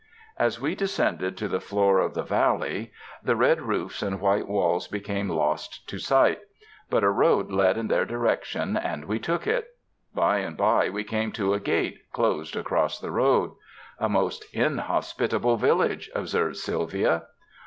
As we descended to the floor of the valley, the red 119 UNDER THE SKY IN CALIFORNIA roofs and white walls became lost to sight; but a road led in their^ direction, and we took it. By and by we came to a gate closed across the road. "A most inhospitable village," observed Sylvia.